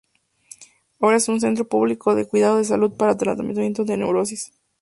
Ahora es un Centro Público de Cuidado de salud para tratamiento de Neurosis.